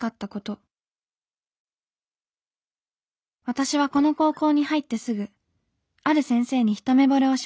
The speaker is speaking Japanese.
「私はこの高校に入ってすぐある先生にひとめぼれをしました。